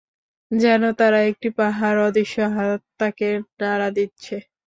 যেন তারা একটি পাহাড়, অদৃশ্য হাত তাকে নাড়া দিচ্ছে।